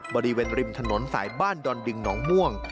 บริเวณริมถนนสายบ้านดอนดึงหนองม่วง